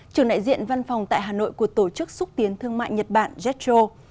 trưởng đại diện văn phòng tại hà nội của tổ chức xúc tiến thương mại nhật bản jetro